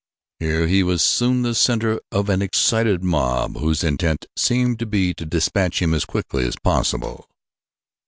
Here he was soon the center of an excited mob whose intent seemed to be to dispatch him as quickly as possible.